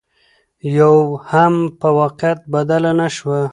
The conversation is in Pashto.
يوه هم په واقعيت بدله نشوه